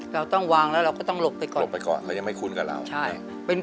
เราต้องวางแล้วเราก็ต้องหลบไปก่อน